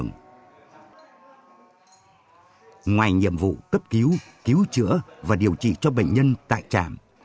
ngoài nhiệm vụ cấp cứu cứu chữa và điều trị cho bệnh nhân tại trạm